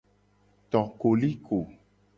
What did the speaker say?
To koliko.